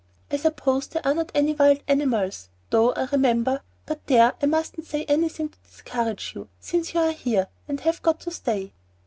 I suppose there are not any wild animals though I remember But there, I mustn't say anything to discourage you, since you are here, and have got to stay."